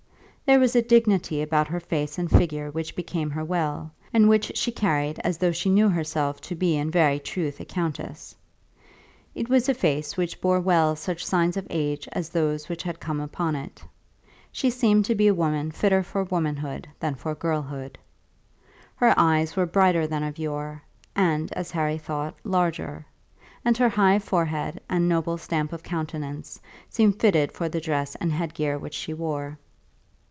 There was a dignity about her face and figure which became her well, and which she carried as though she knew herself to be in very truth a countess. It was a face which bore well such signs of age as those which had come upon it. She seemed to be a woman fitter for womanhood than for girlhood. Her eyes were brighter than of yore, and, as Harry thought, larger; and her high forehead and noble stamp of countenance seemed fitted for the dress and headgear which she wore.